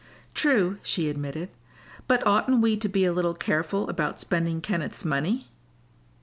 "True," she admitted. "But oughtn't we to be a little careful about spending Kenneth's money?"